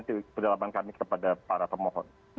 penerimaan kami kepada para pemohon